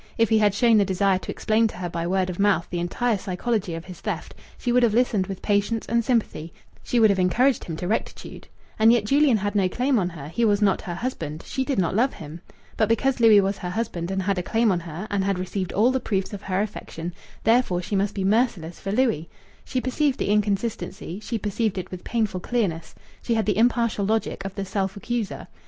If he had shown the desire to explain to her by word of mouth the entire psychology of his theft, she would have listened with patience and sympathy; she would have encouraged him to rectitude. And yet Julian had no claim on her; he was not her husband; she did not love him. But because Louis was her husband, and had a claim on her, and had received all the proofs of her affection therefore, she must be merciless for Louis! She perceived the inconsistency; she perceived it with painful clearness. She had the impartial logic of the self accuser.